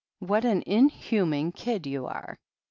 What an inhuman kid you are